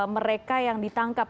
mereka yang ditangkap